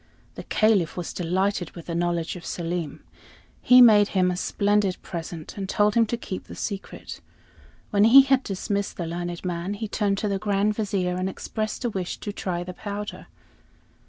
The Caliph was delighted with the knowledge of Selim. He made him a splendid present, and told him to keep the secret. When he had dismissed the learned man, he turned to the Grand Vizier, and expressed a wish to try the powder.